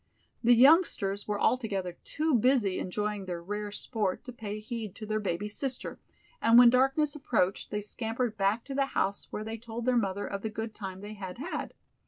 The youngsters were altogether too busy enjoying their rare sport to pay heed to their baby sister, and when darkness approached they scampered back to the house where they told their mother of the good time they had had.